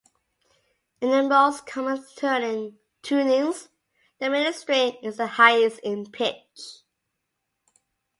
In the most common tunings the middle string is the highest in pitch.